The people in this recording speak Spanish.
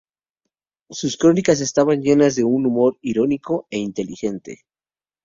Sus crónicas estaban llenas de un humor irónico e inteligente.